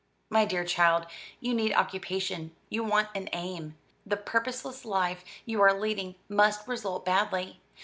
"My dear child, you need occupation; you want an aim. The purposeless life you are leading must result badly.